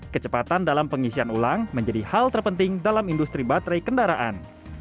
kecepatan dalam pengisian ulang menjadi hal terpenting dalam industri baterai kendaraan